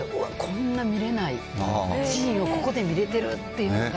こんな見れないシーンをここで見れてるっていうのが。